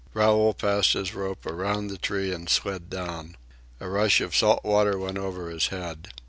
Raoul passed his rope around the tree and slid down. A rush of salt water went over his head.